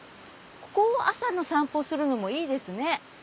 ここを朝の散歩するのもいいですね。